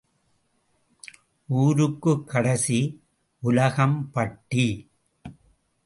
ஊருக்குக் கடைசி உலகம்பட்டி.